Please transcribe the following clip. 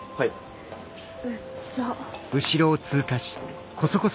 うっざ。